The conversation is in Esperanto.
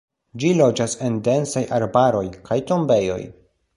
Ĝi loĝas en densaj arbaroj, kaj tombejoj.